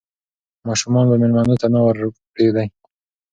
ماشومان به مېلمنو ته نه ور پرېږدي.